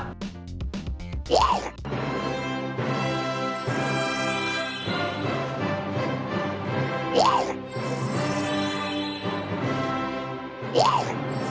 รสชาติบ้านคล้าย